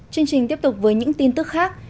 chương trình tiếp tục với những tin tức khác